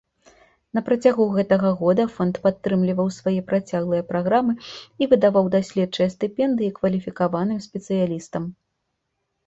Напрацягу гэтага года фонд падтрымліваў свае працяглыя праграмы і выдаваў даследчыя стыпендыі кваліфікаваным спецыялістам.